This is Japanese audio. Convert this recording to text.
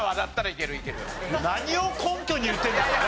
何を根拠に言ってるんだろうね